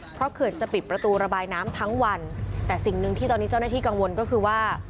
เพราะเขื่อนจะปิดประตูระบายน้ำทั้งวันแต่สิ่งหนึ่งที่ตอนนี้เจ้าหน้าที่กังวลก็คือว่า